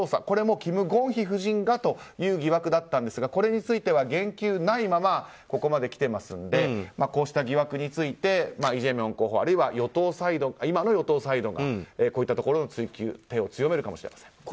これもキム・ゴンヒ夫人がという疑惑だったんですがこれについては言及がないままここまで来ていますのでこうした疑惑についてイ・ジェミョン候補あるいは今の与党サイドがこういったところの追及に手を強めるかもしれません。